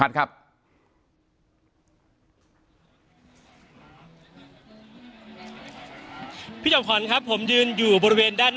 อย่างที่บอกไปว่าเรายังยึดในเรื่องของข้อ